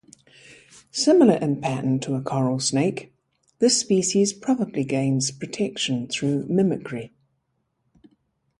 Similar in pattern to a coral snake, this species probably gains protection through mimicry.